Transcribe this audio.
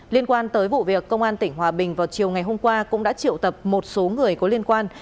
liên quan tới vụ việc công an tỉnh hòa bình vào chiều ngày hôm qua cũng đã triệu tập một số người có liên quan